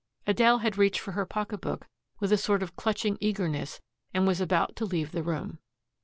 Adele had reached for her pocketbook with a sort of clutching eagerness and was about to leave the room.